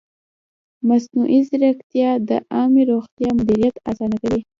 مصنوعي ځیرکتیا د عامې روغتیا مدیریت اسانه کوي.